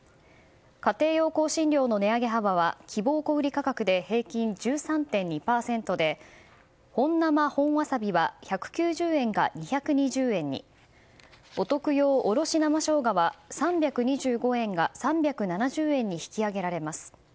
家庭用香辛料の値上げ幅は希望小売価格で平均１３．２％で本生本わさびは１９０円が２２０円にお徳用おろし生しょうがは３２５円が３７０円に引き上げられます。